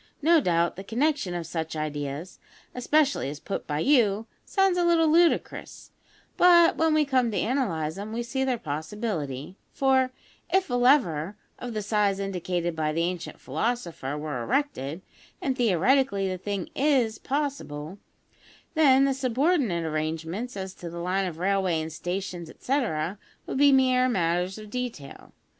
No doubt, the connection of such ideas, especially as put by you, sounds a little ludicrous; but when we come to analyse them, we see their possibility, for, if a lever of the size indicated by the ancient philosopher were erected (and theoretically, the thing is possible), then the subordinate arrangements as to a line of railway and stations, etcetera, would be mere matters of detail.